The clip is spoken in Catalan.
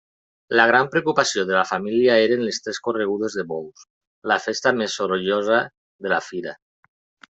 La gran preocupació de la família eren les tres corregudes de bous, la festa més sorollosa de la fira.